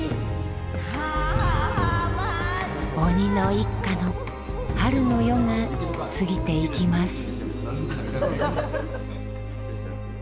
鬼の一家の春の夜が過ぎていきます。